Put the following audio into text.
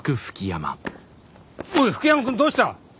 おい吹山君どうした？